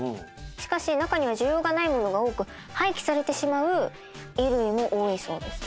しかし中には需要がないものが多く廃棄されてしまう衣類も多いそうです。